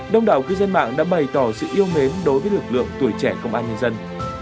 đông đảo cư dân mạng đã bày tỏ sự yêu mến đối với lực lượng tuổi trẻ công an nhân dân